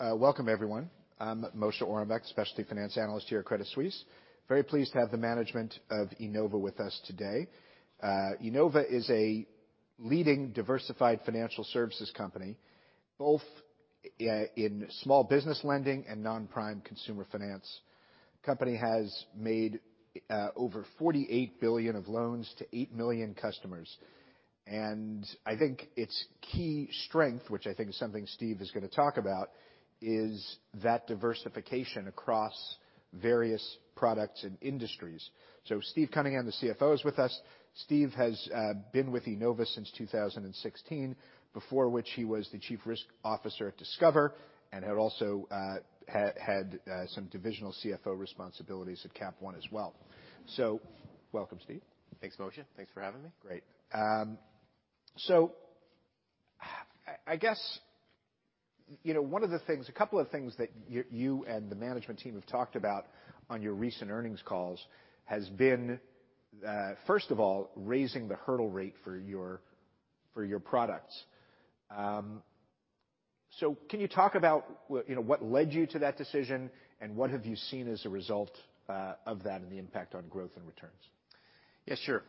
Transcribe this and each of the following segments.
Welcome everyone. I'm Moshe Orenbuch, Specialty Finance Analyst here at Credit Suisse. Very pleased to have the management of Enova with us today. Enova is a leading diversified financial services company, both in small business lending and non-prime consumer finance. Company has made over $48 billion of loans to 8 million customers. I think its key strength, which I think is something Steve is gonna talk about, is that diversification across various products and industries. Steve Cunningham, the CFO, is with us. Steve has been with Enova since 2016, before which he was the Chief Risk Officer at Discover and had also had some divisional CFO responsibilities at Cap One as well. Welcome, Steve. Thanks, Moshe. Thanks for having me. Great. I guess, you know, a couple of things that you and the management team have talked about on your recent earnings calls has been, first of all, raising the hurdle rate for your, for your products. Can you talk about, you know, what led you to that decision and what have you seen as a result of that and the impact on growth and returns? Yes, sure.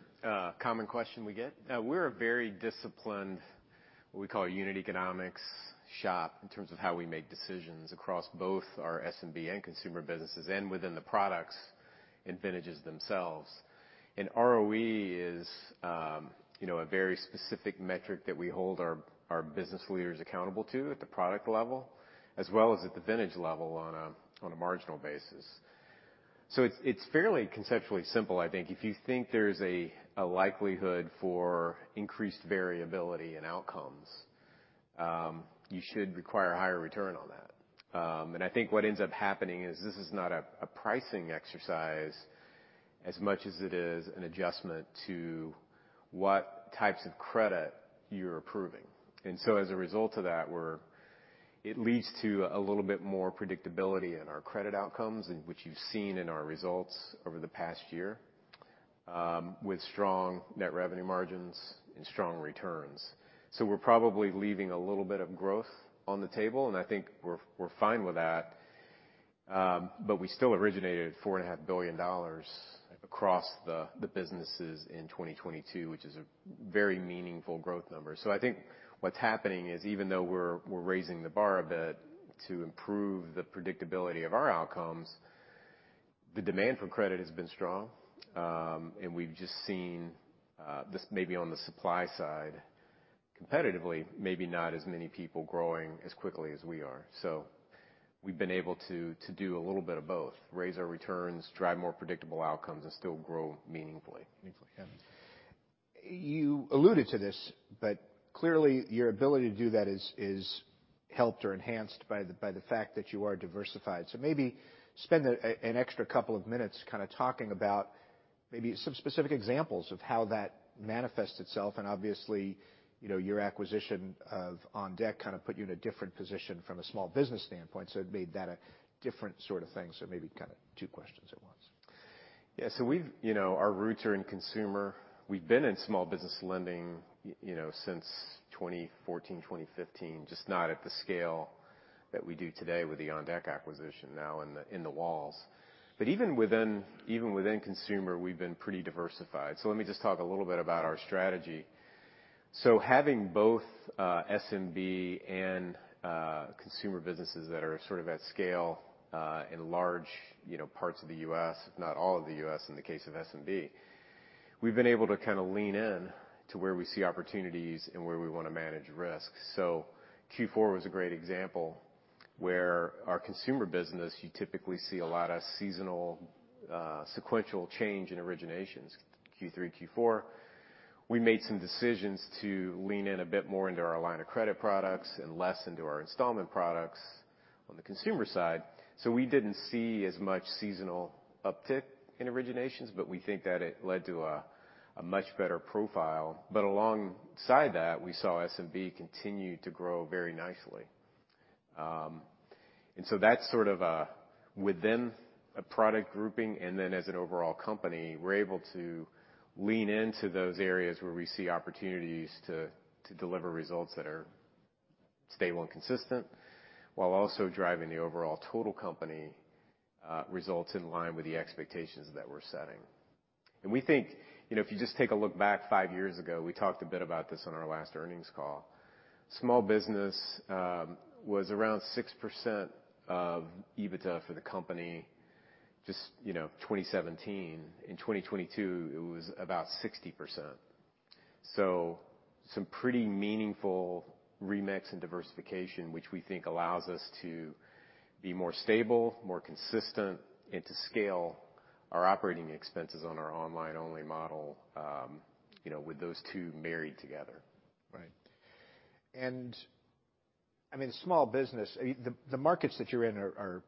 common question we get. We're a very disciplined, we call it unit economics shop in terms of how we make decisions across both our SMB and consumer businesses and within the products and vintages themselves. ROE is, you know, a very specific metric that we hold our business leaders accountable to at the product level as well as at the vintage level on a marginal basis. It's fairly conceptually simple, I think. If you think there's a likelihood for increased variability in outcomes, you should require a higher return on that. I think what ends up happening is this is not a pricing exercise as much as it is an adjustment to what types of credit you're approving. As a result of that, it leads to a little bit more predictability in our credit outcomes, and which you've seen in our results over the past year, with strong net revenue margins and strong returns. We're probably leaving a little bit of growth on the table, and I think we're fine with that. But we still originated $4.5 billion across the businesses in 2022, which is a very meaningful growth number. I think what's happening is, even though we're raising the bar a bit to improve the predictability of our outcomes, the demand for credit has been strong, and we've just seen this maybe on the supply side, competitively, maybe not as many people growing as quickly as we are. We've been able to do a little bit of both, raise our returns, drive more predictable outcomes, and still grow meaningfully. Meaningfully, yes. You alluded to this, but clearly your ability to do that is helped or enhanced by the fact that you are diversified. Maybe spend an extra couple of minutes kinda talking about maybe some specific examples of how that manifests itself. Obviously, you know, your acquisition of OnDeck kind of put you in a different position from a small business standpoint, so it made that a different sort of thing. Maybe kinda two questions at once. You know, our roots are in consumer. We've been in small business lending, you know, since 2014, 2015, just not at the scale that we do today with the OnDeck acquisition now in the walls. Even within consumer, we've been pretty diversified. Let me just talk a little bit about our strategy. Having both SMB and consumer businesses that are sort of at scale, in large, you know, parts of the U.S., if not all of the U.S. in the case of SMB, we've been able to kinda lean in to where we see opportunities and where we wanna manage risks. Q4 was a great example, where our consumer business, you typically see a lot of seasonal, sequential change in originations, Q3, Q4. We made some decisions to lean in a bit more into our line of credit products and less into our installment products on the consumer side. We didn't see as much seasonal uptick in originations, but we think that it led to a much better profile. Alongside that, we saw SMB continue to grow very nicely. That's sort of a within a product grouping and then as an overall company, we're able to lean into those areas where we see opportunities to deliver results that are stable and consistent while also driving the overall total company results in line with the expectations that we're setting. We think, you know, if you just take a look back five years ago, we talked a bit about this on our last earnings call. Small business, was around 6% of EBITDA for the company, just, you know, 2017. In 2022, it was about 60%. Some pretty meaningful remix and diversification, which we think allows us to be more stable, more consistent, and to scale our operating expenses on our online only model, you know, with those two married together. Right. I mean, small business, the markets that you're in are,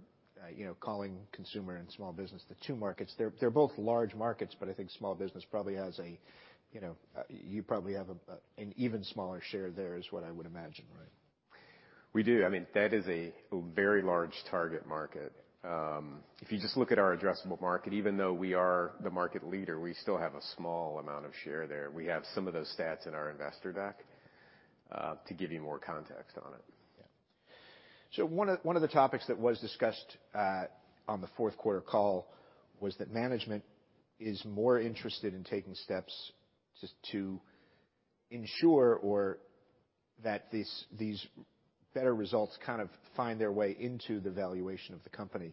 you know, calling consumer and small business the two markets. They're both large markets, but I think small business probably has a, you know, you probably have an even smaller share there is what I would imagine, right? We do. I mean, that is a very large target market. If you just look at our addressable market, even though we are the market leader, we still have a small amount of share there. We have some of those stats in our investor deck, to give you more context on it. One of the topics that was discussed on the fourth quarter call was that management is more interested in taking steps to ensure or that these better results kind of find their way into the valuation of the company.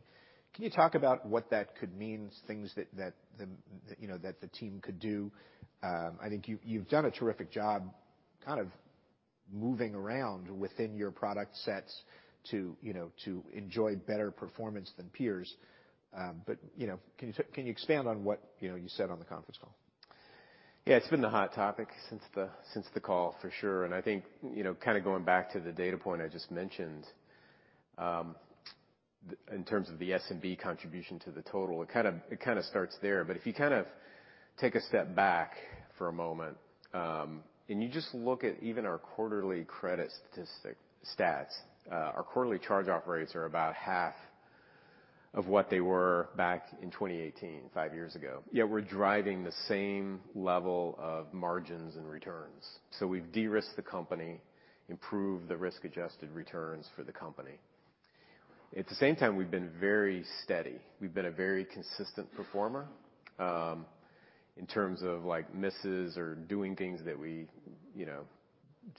Can you talk about what that could mean, things that, you know, that the team could do? I think you've done a terrific job kind of moving around within your product sets to, you know, to enjoy better performance than peers. You know, can you expand on what, you know, you said on the conference call? Yeah. It's been the hot topic since the call for sure. I think, you know, kind of going back to the data point I just mentioned, in terms of the SMB contribution to the total, it kind of starts there. If you kind of take a step back for a moment, you just look at even our quarterly credit statistic stats, our quarterly charge-off rates are about half of what they were back in 2018, five years ago, yet we're driving the same level of margins and returns. We've de-risked the company, improved the risk-adjusted returns for the company. At the same time, we've been very steady. We've been a very consistent performer, in terms of like misses or doing things that we, you know,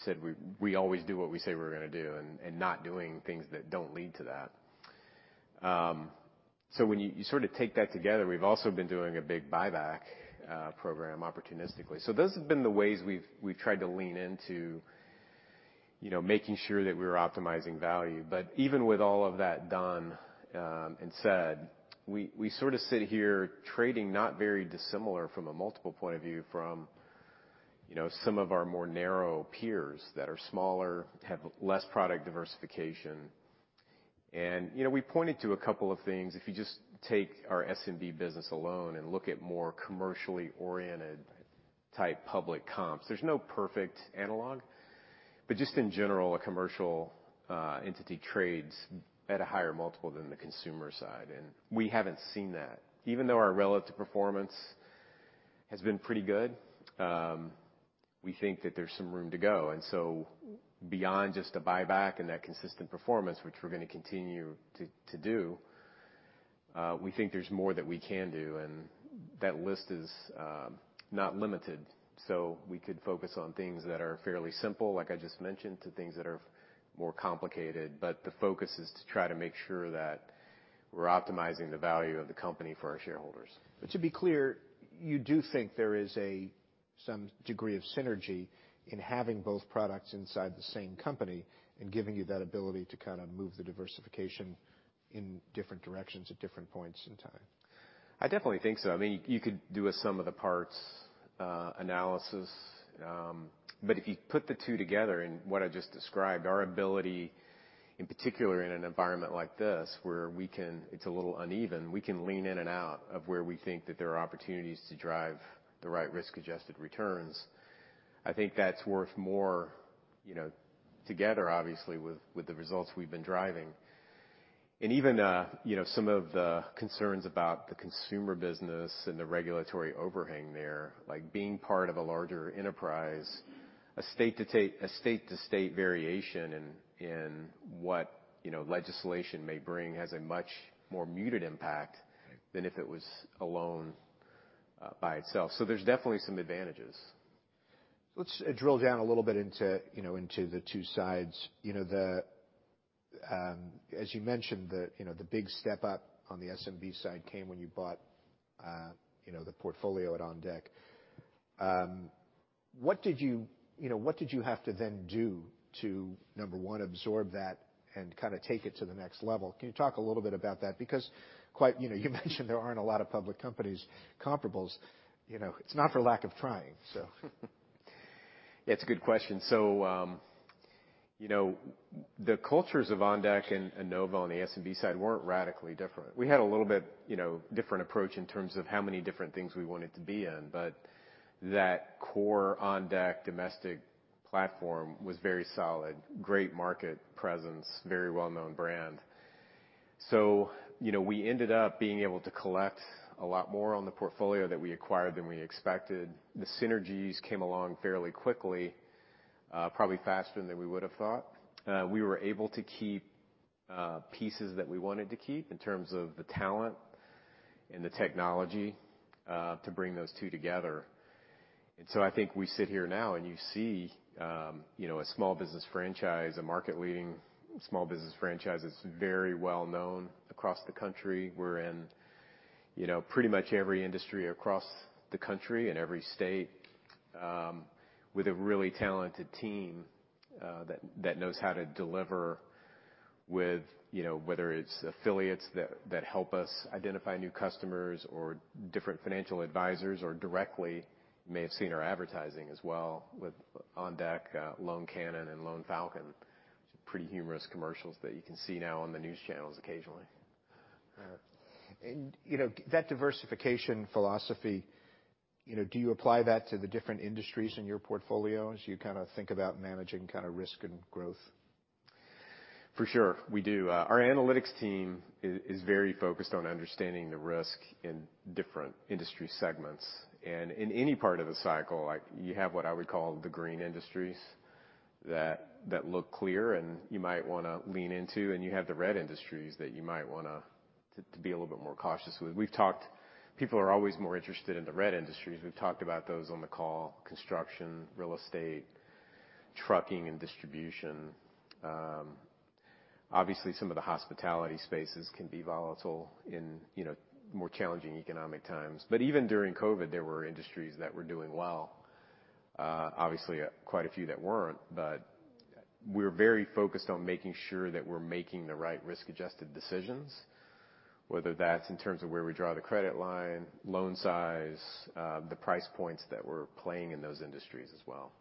said we always do what we say we're gonna do and not doing things that don't lead to that. When you sort of take that together, we've also been doing a big buyback program opportunistically. Those have been the ways we've tried to lean into, you know, making sure that we're optimizing value. Even with all of that done and said, we sort of sit here trading not very dissimilar from a multiple point of view from, you know, some of our more narrow peers that are smaller, have less product diversification. You know, we pointed to a couple of things. If you just take our SMB business alone and look at more commercially oriented type public comps, there's no perfect analog. Just in general, a commercial entity trades at a higher multiple than the consumer side, and we haven't seen that. Even though our relative performance has been pretty good, we think that there's some room to go. Beyond just a buyback and that consistent performance, which we're gonna continue to do, we think there's more that we can do, and that list is not limited. We could focus on things that are fairly simple, like I just mentioned, to things that are more complicated. The focus is to try to make sure that we're optimizing the value of the company for our shareholders. To be clear, you do think there is a some degree of synergy in having both products inside the same company and giving you that ability to kind of move the diversification in different directions at different points in time. I definitely think so. I mean, you could do a sum of the parts analysis, but if you put the two together in what I just described, our ability, in particular in an environment like this, where we can it's a little uneven, we can lean in and out of where we think that there are opportunities to drive the right risk-adjusted returns. I think that's worth more, you know, together obviously with the results we've been driving. Even, you know, some of the concerns about the consumer business and the regulatory overhang there, like being part of a larger enterprise, a state-to-state variation in what, you know, legislation may bring has a much more muted impact. Right than if it was alone, by itself. There's definitely some advantages. Let's drill down a little bit into, you know, into the two sides. You know, the, as you mentioned, the, you know, the big step up on the SMB side came when you bought, you know, the portfolio at OnDeck. What did you know, what did you have to then do to, number one, absorb that and kinda take it to the next level? Can you talk a little bit about that? Quite, you know, you mentioned there aren't a lot of public companies comparables. You know, it's not for lack of trying, so. Yeah, it's a good question. You know, the cultures of OnDeck and Enova on the SMB side weren't radically different. We had a little bit, you know, different approach in terms of how many different things we wanted to be in. That core OnDeck domestic platform was very solid, great market presence, very well-known brand. You know, we ended up being able to collect a lot more on the portfolio that we acquired than we expected. The synergies came along fairly quickly, probably faster than we would have thought. We were able to keep pieces that we wanted to keep in terms of the talent and the technology to bring those two together. I think we sit here now, and you see, you know, a small business franchise, a market-leading small business franchise. It's very well-known across the country. We're in, you know, pretty much every industry across the country and every state, with a really talented team that knows how to deliver with, you know, whether it's affiliates that help us identify new customers or different financial advisors or directly may have seen our advertising as well with OnDeck, Loan Cannon and Loan Falcon. It's pretty humorous commercials that you can see now on the news channels occasionally. All right. You know, that diversification philosophy, you know, do you apply that to the different industries in your portfolio as you kinda think about managing kinda risk and growth? For sure. We do. Our analytics team is very focused on understanding the risk in different industry segments. In any part of the cycle, like you have what I would call the green industries that look clear and you might wanna lean into, and you have the red industries that you might wanna to be a little bit more cautious with. People are always more interested in the red industries. We've talked about those on the call, construction, real estate, trucking, and distribution. Obviously some of the hospitality spaces can be volatile in, you know, more challenging economic times. Even during COVID, there were industries that were doing well. obviously quite a few that weren't, but we're very focused on making sure that we're making the right risk-adjusted decisions, whether that's in terms of where we draw the credit line, loan size, the price points that we're playing in those industries as well.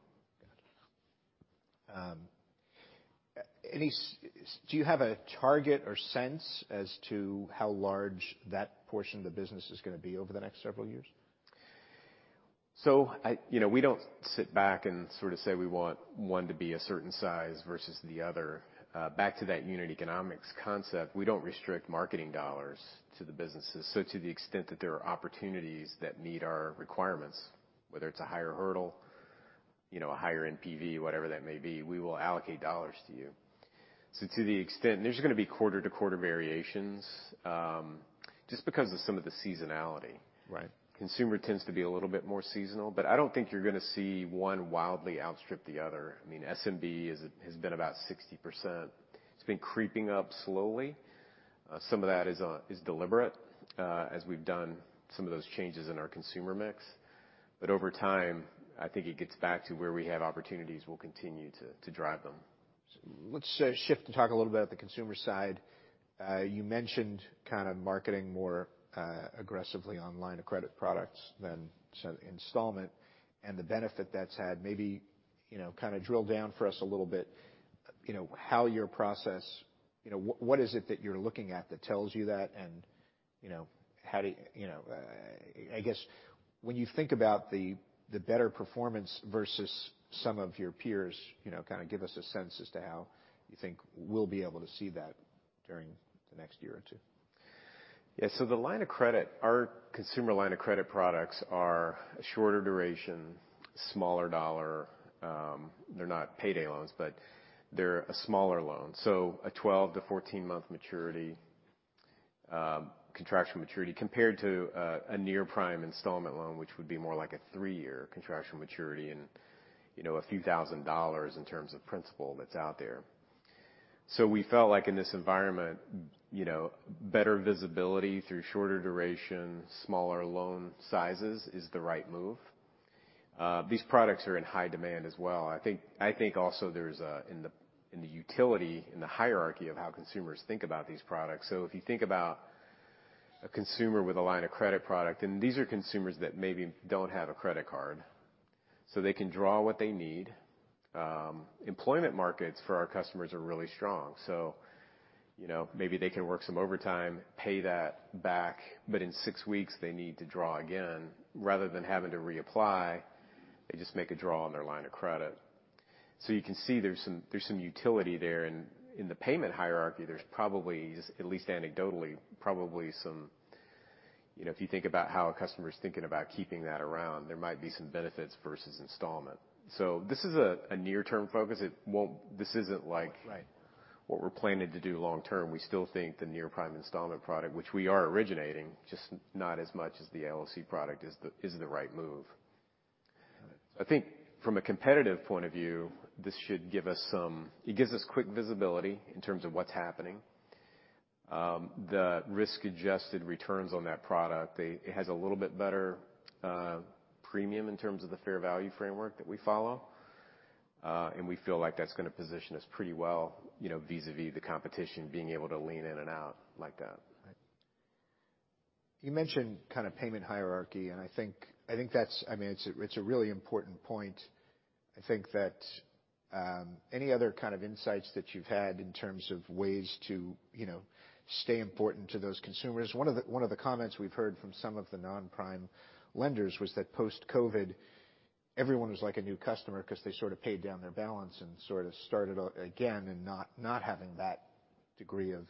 Do you have a target or sense as to how large that portion of the business is gonna be over the next several years? You know, we don't sit back and sort of say we want one to be a certain size versus the other. Back to that unit economics concept, we don't restrict marketing dollars to the businesses. To the extent that there are opportunities that meet our requirements, whether it's a higher hurdle, you know, a higher NPV, whatever that may be, we will allocate dollars to you. To the extent, there's gonna be quarter-to-quarter variations, just because of some of the seasonality. Right. Consumer tends to be a little bit more seasonal. I don't think you're gonna see one wildly outstrip the other. I mean, SMB has been about 60%. It's been creeping up slowly. Some of that is deliberate as we've done some of those changes in our consumer mix. Over time, I think it gets back to where we have opportunities, we'll continue to drive them. Let's shift and talk a little bit about the consumer side. You mentioned kind of marketing more aggressively on line of credit products than so installment and the benefit that's had. Maybe, you know, kinda drill down for us a little bit, you know, how your process, you know, what is it that you're looking at that tells you that? You know, how do you know, I guess when you think about the better performance versus some of your peers, you know, kinda give us a sense as to how you think we'll be able to see that during the next year or two. The line of credit, our consumer line of credit products are a shorter duration, smaller dollar, they're not payday loans, but they're a smaller loan. A 12-14 month maturity, contractual maturity compared to a near-prime installment loan, which would be more like a three year contractual maturity and, you know, a few thousand dollars in terms of principal that's out there. We felt like in this environment, you know, better visibility through shorter duration, smaller loan sizes is the right move. These products are in high demand as well. I think also there's a in the utility, in the hierarchy of how consumers think about these products. If you think about a consumer with a line of credit product, and these are consumers that maybe don't have a credit card, so they can draw what they need. Employment markets for our customers are really strong. You know, maybe they can work some overtime, pay that back, but in six weeks, they need to draw again. Rather than having to reapply, they just make a draw on their line of credit. You can see there's some, there's some utility there. In, in the payment hierarchy, there's probably, at least anecdotally, probably some. You know, if you think about how a customer's thinking about keeping that around, there might be some benefits versus installment. This is a near-term focus. This isn't like. Right what we're planning to do long term. We still think the near-prime installment product, which we are originating, just not as much as the LOC product, is the right move. Got it. I think from a competitive point of view, this should give us some... It gives us quick visibility in terms of what's happening. The risk-adjusted returns on that product, it has a little bit better premium in terms of the fair value framework that we follow. We feel like that's gonna position us pretty well, you know, vis-à-vis the competition being able to lean in and out like that. You mentioned kind of payment hierarchy, and I think that's I mean, it's a really important point. I think that any other kind of insights that you've had in terms of ways to, you know, stay important to those consumers. One of the comments we've heard from some of the non-prime lenders was that post-COVID, everyone was like a new customer because they sort of paid down their balance and sort of started again and not having that degree of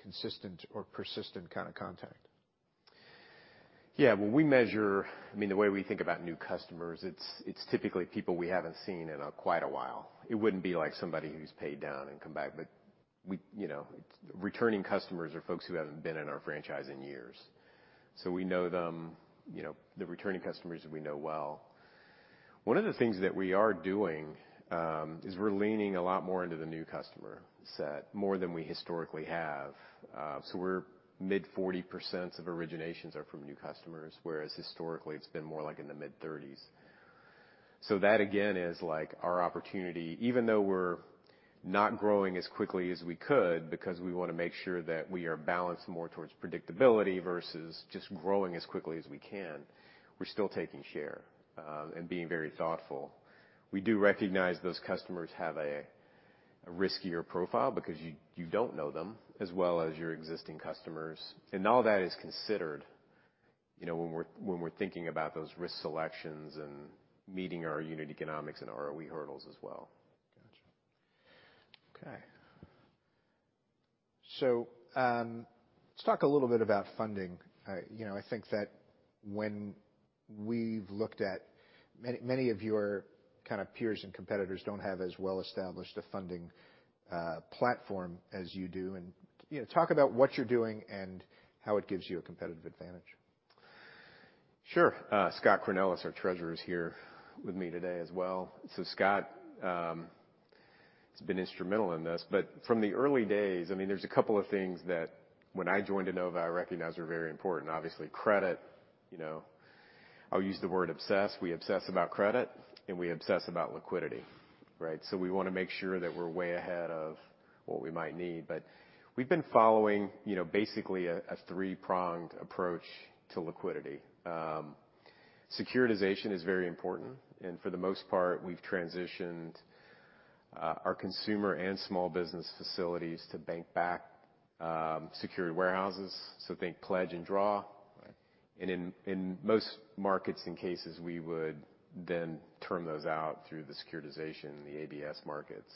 consistent or persistent kind of contact. When we measure, I mean, the way we think about new customers, it's typically people we haven't seen in quite a while. It wouldn't be like somebody who's paid down and come back. We, you know, returning customers are folks who haven't been in our franchise in years. We know them, you know, the returning customers we know well. One of the things that we are doing is we're leaning a lot more into the new customer set more than we historically have. We're mid-40% of originations are from new customers, whereas historically, it's been more like in the mid-30s. That again, is like our opportunity, even though we're not growing as quickly as we could because we wanna make sure that we are balanced more towards predictability versus just growing as quickly as we can, we're still taking share and being very thoughtful. We do recognize those customers have a riskier profile because you don't know them as well as your existing customers. All that is considered, you know, when we're thinking about those risk selections and meeting our unit economics and ROE hurdles as well. Okay. Let's talk a little bit about funding. You know, I think that when we've looked at many, many of your kind of peers and competitors don't have as well established a funding, platform as you do. You know, talk about what you're doing and how it gives you a competitive advantage. Sure. Scott Cornelis, our treasurer, is here with me today as well. Scott has been instrumental in this. From the early days, I mean, there's a couple of things that when I joined Enova I recognized were very important. Obviously, credit, you know, I'll use the word obsess. We obsess about credit, and we obsess about liquidity, right? We wanna make sure that we're way ahead of what we might need. We've been following, you know, basically a three-pronged approach to liquidity. Securitization is very important, and for the most part, we've transitioned our consumer and small business facilities to bank-backed security warehouses, so think pledge and draw. Right. In most markets and cases, we would then term those out through the securitization and the ABS markets.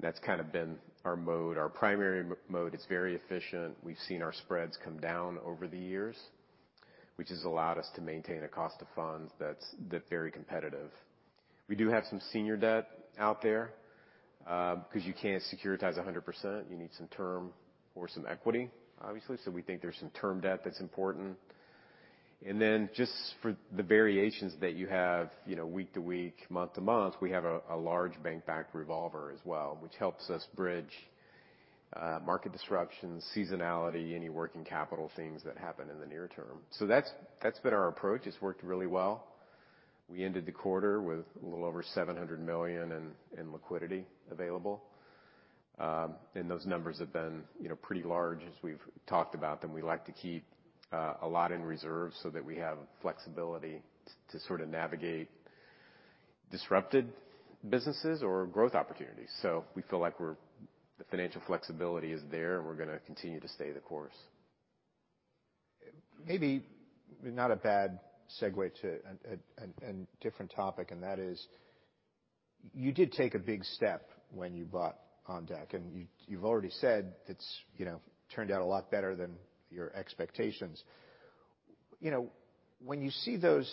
That's kinda been our mode. Our primary mode. It's very efficient. We've seen our spreads come down over the years, which has allowed us to maintain a cost of funds that's very competitive. We do have some senior debt out there, cause you can't securitize 100%. You need some term or some equity, obviously. We think there's some term debt that's important. Just for the variations that you have, you know, week to week, month to month, we have a large bank-backed revolver as well, which helps us bridge market disruptions, seasonality, any working capital things that happen in the near term. That's been our approach. It's worked really well. We ended the quarter with a little over $700 million in liquidity available. Those numbers have been, you know, pretty large as we've talked about them. We like to keep a lot in reserve so that we have flexibility to sort of navigate disrupted businesses or growth opportunities. We feel like the financial flexibility is there, and we're gonna continue to stay the course. Maybe not a bad segue to a different topic, and that is you did take a big step when you bought OnDeck, and you've already said it's, you know, turned out a lot better than your expectations. You know, when you see those,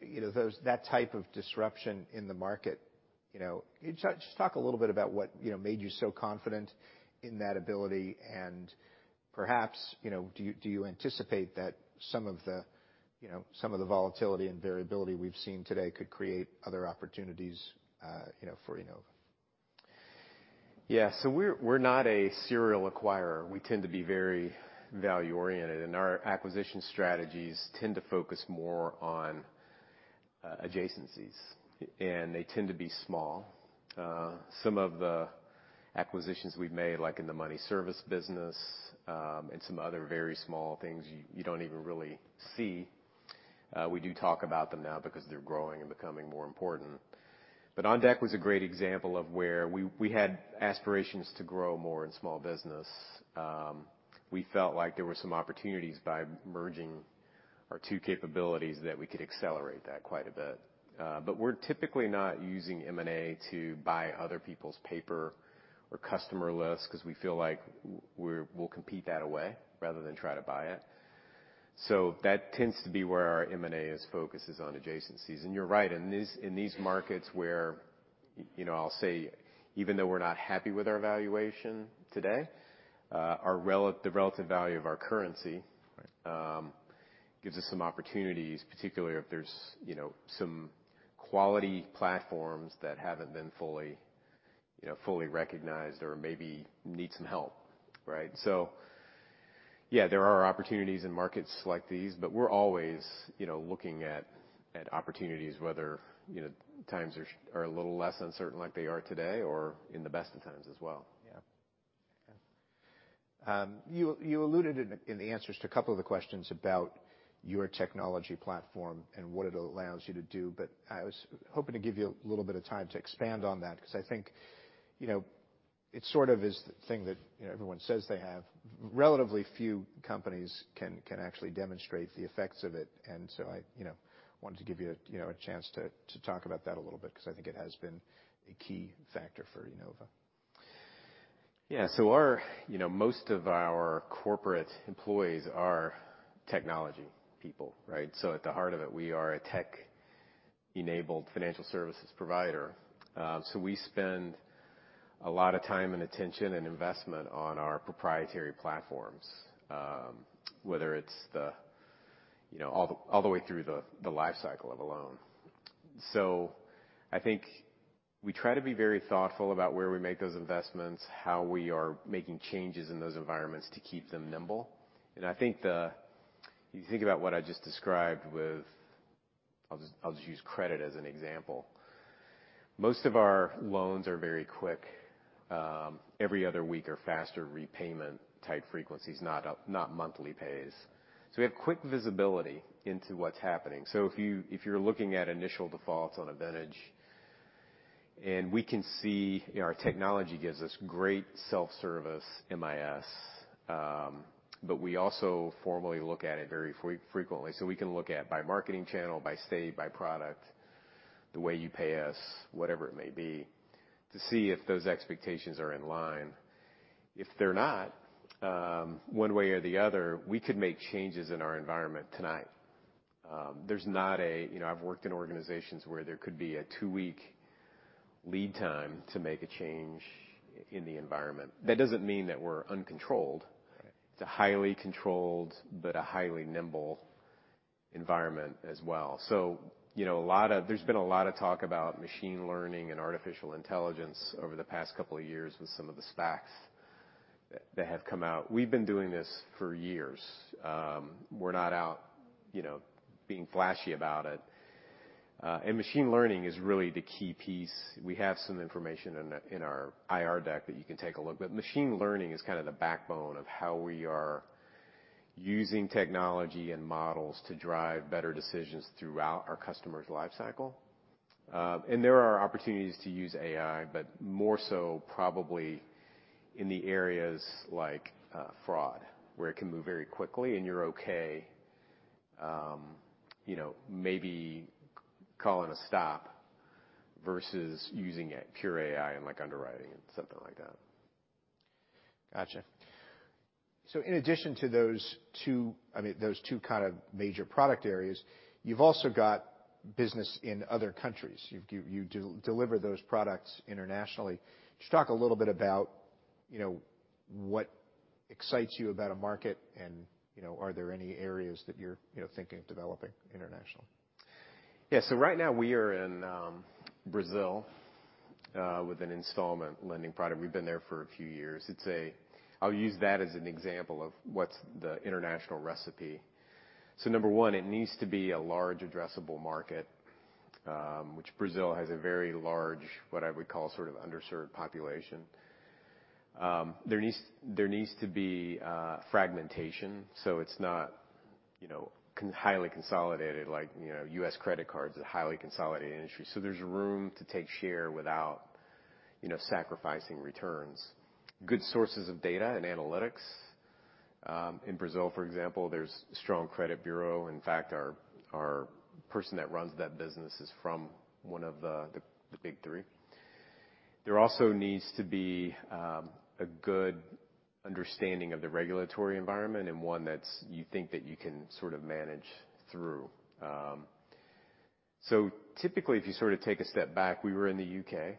you know, that type of disruption in the market, you know, just talk a little bit about what, you know, made you so confident in that ability and perhaps, you know, do you anticipate that some of the, you know, some of the volatility and variability we've seen today could create other opportunities, you know, for Enova? We're not a serial acquirer. We tend to be very value-oriented, and our acquisition strategies tend to focus more on adjacencies, and they tend to be small. Some of the acquisitions we've made, like in the money service business, and some other very small things you don't even really see, we do talk about them now because they're growing and becoming more important. OnDeck was a great example of where we had aspirations to grow more in small business. We felt like there were some opportunities by merging our two capabilities that we could accelerate that quite a bit. We're typically not using M&A to buy other people's paper or customer lists 'cause we feel like we'll compete that away rather than try to buy it. That tends to be where our M&A is focused is on adjacencies. You're right. In these, in these markets where, you know, I'll say even though we're not happy with our valuation today, the relative value of our currency. Right. gives us some opportunities, particularly if there's, you know, some quality platforms that haven't been fully, you know, fully recognized or maybe need some help, right? Yeah, there are opportunities in markets like these, but we're always, you know, looking at opportunities whether, you know, times are a little less uncertain like they are today or in the best of times as well. Yeah. Okay. You alluded in the answers to a couple of the questions about your technology platform and what it allows you to do, I was hoping to give you a little bit of time to expand on that because I think, you know, it sort of is the thing that, you know, everyone says they have. Relatively few companies can actually demonstrate the effects of it. I, you know, wanted to give you know, a chance to talk about that a little bit because I think it has been a key factor for Enova. Our, you know, most of our corporate employees are technology people, right? At the heart of it, we are a tech-enabled financial services provider. We spend a lot of time and attention and investment on our proprietary platforms, whether it's the, you know, all the way through the life cycle of a loan. I think we try to be very thoughtful about where we make those investments, how we are making changes in those environments to keep them nimble. I think the, You think about what I just described with, I'll just use credit as an example. Most of our loans are very quick, every other week or faster repayment type frequencies, not a, not monthly pays. We have quick visibility into what's happening. If you're looking at initial defaults on VantageScore and we can see, you know, our technology gives us great self-service MIS, but we also formally look at it very frequently. We can look at by marketing channel, by state, by product, the way you pay us, whatever it may be, to see if those expectations are in line. If they're not, one way or the other, we could make changes in our environment tonight. There's not. You know, I've worked in organizations where there could be a two-week lead time to make a change in the environment. That doesn't mean that we're uncontrolled. It's a highly controlled but a highly nimble environment as well. You know, there's been a lot of talk about machine learning and artificial intelligence over the past couple of years with some of the SPACs that have come out. We've been doing this for years. We're not out, you know, being flashy about it. Machine learning is really the key piece. We have some information in our IR deck that you can take a look. Machine learning is kind of the backbone of how we are using technology and models to drive better decisions throughout our customer's life cycle. There are opportunities to use AI, but more so probably in the areas like fraud, where it can move very quickly and you're okay, you know, maybe calling a stop versus using a pure AI in like underwriting and something like that. Gotcha. In addition to those two, I mean, those two kind of major product areas, you've also got business in other countries. You deliver those products internationally. Just talk a little bit about, you know, what excites you about a market and, you know, are there any areas that you're, you know, thinking of developing international? Right now, we are in Brazil with an installment lending product. We've been there for a few years. I'll use that as an example of what's the international recipe. Number one, it needs to be a large addressable market, which Brazil has a very large, what I would call, sort of underserved population. There needs to be fragmentation, so it's not, you know, highly consolidated like, you know, U.S. credit cards is a highly consolidated industry. There's room to take share without, you know, sacrificing returns. Good sources of data and analytics. In Brazil, for example, there's a strong credit bureau. In fact, our person that runs that business is from one of the big three. There also needs to be a good understanding of the regulatory environment and one that's you think that you can sort of manage through. Typically, if you sort of take a step back, we were in the U.K. Right.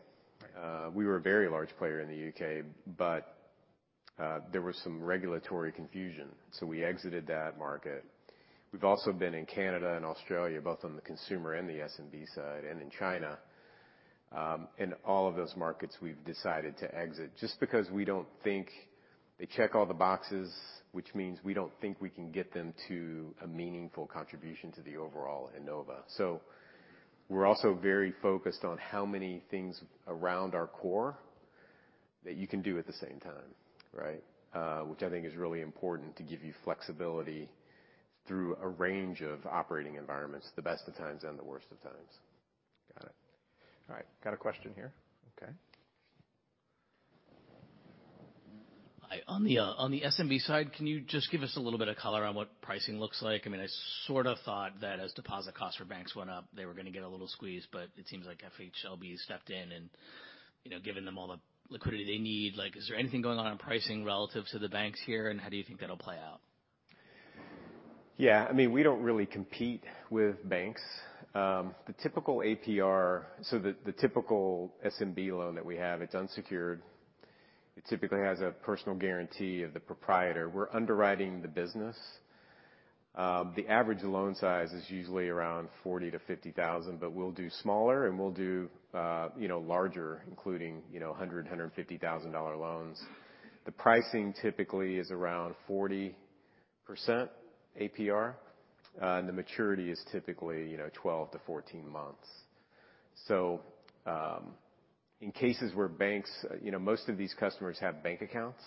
We were a very large player in the U.K., but there was some regulatory confusion, so we exited that market. We've also been in Canada and Australia, both on the consumer and the SMB side, and in China. In all of those markets, we've decided to exit just because we don't think they check all the boxes, which means we don't think we can get them to a meaningful contribution to the overall Enova. We're also very focused on how many things around our core that you can do at the same time, right? Which I think is really important to give you flexibility through a range of operating environments, the best of times and the worst of times. Got it. All right. Got a question here. Okay. On the, on the SMB side, can you just give us a little bit of color on what pricing looks like? I mean, I sort of thought that as deposit costs for banks went up, they were gonna get a little squeeze, but it seems like FHLB stepped in and, you know, given them all the liquidity they need. Like, is there anything going on in pricing relative to the banks here, and how do you think that'll play out? Yeah. I mean, we don't really compete with banks. The typical SMB loan that we have, it's unsecured. It typically has a personal guarantee of the proprietor. We're underwriting the business. The average loan size is usually around $40,000-$50,000, but we'll do smaller, and we'll do, you know, larger, including, you know, $100,000, $150,000 loans. The pricing typically is around 40% APR. The maturity is typically, you know, 12-14 months. You know, most of these customers have bank accounts,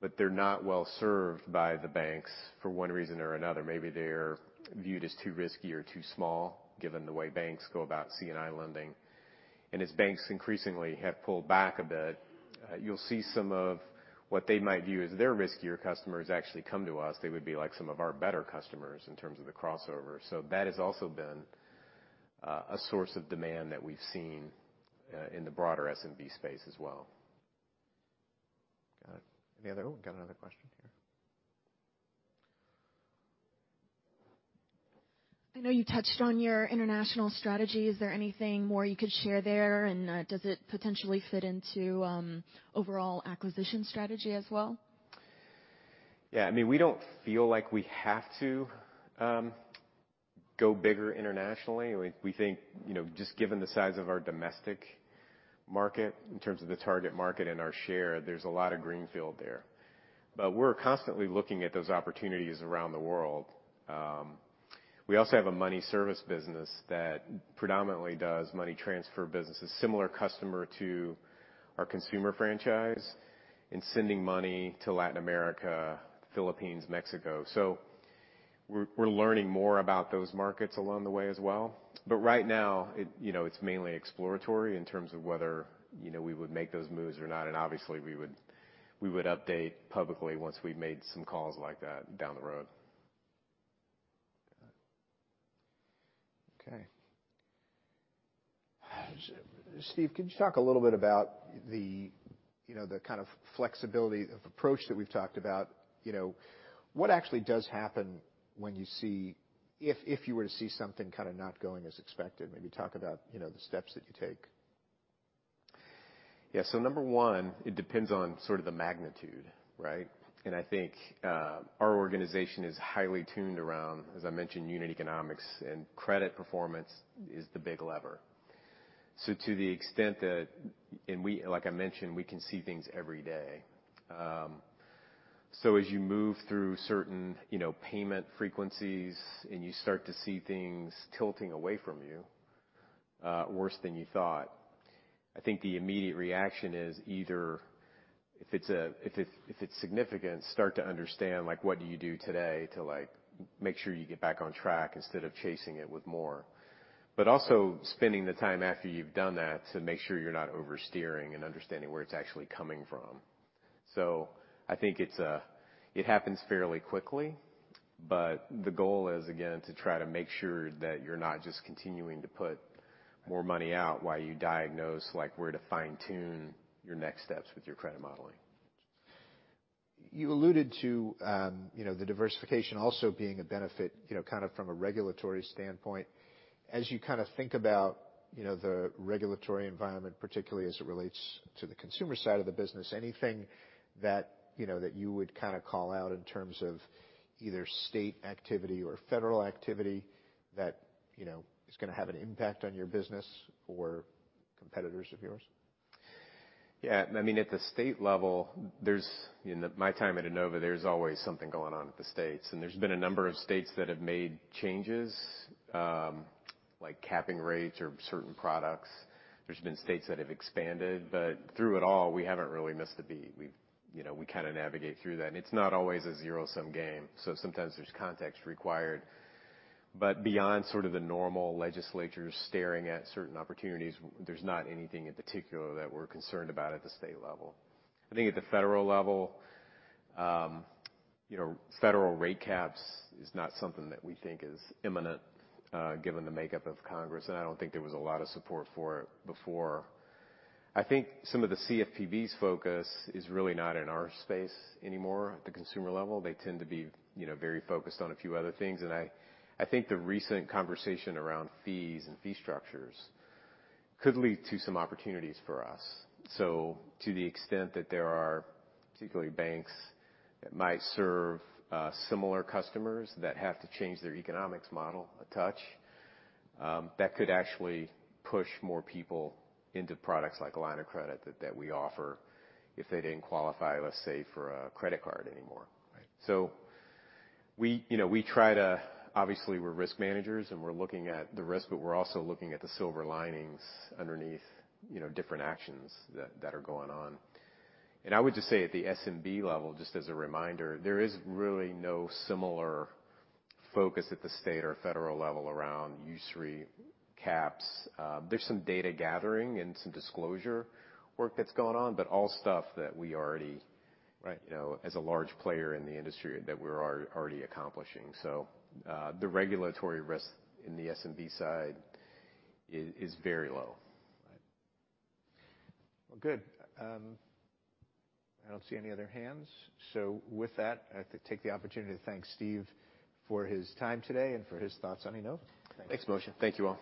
but they're not well-served by the banks for one reason or another. Maybe they're viewed as too risky or too small, given the way banks go about C&I lending. As banks increasingly have pulled back a bit, you'll see some of what they might view as their riskier customers actually come to us. They would be like some of our better customers in terms of the crossover. That has also been a source of demand that we've seen in the broader SMB space as well. Got it. Oh, got another question here. I know you touched on your international strategy. Is there anything more you could share there? Does it potentially fit into overall acquisition strategy as well? Yeah. I mean, we don't feel like we have to go bigger internationally. We think, you know, just given the size of our domestic market in terms of the target market and our share, there's a lot of greenfield there. We're constantly looking at those opportunities around the world. We also have a money service business that predominantly does money transfer business. A similar customer to our consumer franchise in sending money to Latin America, Philippines, Mexico. We're learning more about those markets along the way as well. Right now, it, you know, it's mainly exploratory in terms of whether, you know, we would make those moves or not. Obviously, we would update publicly once we've made some calls like that down the road. Okay. Steve, can you talk a little bit about the, you know, the kind of flexibility of approach that we've talked about? You know, what actually does happen when you see if you were to see something kinda not going as expected, maybe talk about, you know, the steps that you take? Yeah. Number one, it depends on sort of the magnitude, right? I think, our organization is highly tuned around, as I mentioned, unit economics and credit performance is the big lever. To the extent that, like I mentioned, we can see things every day. As you move through certain, you know, payment frequencies and you start to see things tilting away from you, worse than you thought, I think the immediate reaction is either if it's significant, start to understand, like what do you do today to, like, make sure you get back on track instead of chasing it with more. Also spending the time after you've done that to make sure you're not oversteering and understanding where it's actually coming from. I think it's, it happens fairly quickly, but the goal is, again, to try to make sure that you're not just continuing to put more money out while you diagnose, like, where to fine-tune your next steps with your credit modeling. You alluded to, you know, the diversification also being a benefit, you know, kind of from a regulatory standpoint. As you kinda think about, you know, the regulatory environment, particularly as it relates to the consumer side of the business, anything that, you know, that you would kinda call out in terms of either state activity or federal activity that, you know, is gonna have an impact on your business or competitors of yours? Yeah. I mean, at the state level, in my time at Enova, there's always something going on at the states. There's been a number of states that have made changes, like capping rates or certain products. There's been states that have expanded, but through it all, we haven't really missed a beat. We've, you know, we kinda navigate through that. It's not always a zero-sum game, so sometimes there's context required. Beyond sort of the normal legislatures staring at certain opportunities, there's not anything in particular that we're concerned about at the state level. I think at the federal level, you know, federal rate caps is not something that we think is imminent, given the makeup of Congress. I don't think there was a lot of support for it before. I think some of the CFPB's focus is really not in our space anymore at the consumer level. They tend to be, you know, very focused on a few other things. I think the recent conversation around fees and fee structures could lead to some opportunities for us. To the extent that there are particularly banks that might serve similar customers that have to change their economics model a touch, that could actually push more people into products like a line of credit that we offer if they didn't qualify, let's say, for a credit card anymore. Right. We, you know, we try to obviously we're risk managers and we're looking at the risk, but we're also looking at the silver linings underneath, you know, different actions that are going on. I would just say at the SMB level, just as a reminder, there is really no similar focus at the state or federal level around usury caps. There's some data gathering and some disclosure work that's going on, but all stuff that we already. Right. You know, as a large player in the industry that we're already accomplishing. The regulatory risk in the SMB side is very low. Right. Well, good. I don't see any other hands. With that, I have to take the opportunity to thank Steve for his time today and for his thoughts on Enova. Thanks. Thanks, Moshe. Thank you all.